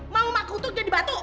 mau emak kutuk jadi batu